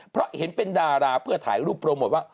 เพราะเห็นเป็นดาราเพื่อถ่ายรูปโปรโมทว่า